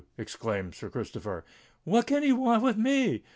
exclaimed Sir Christopher: "what can he want with me?